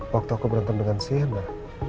waktu aku berhentam dengan shaina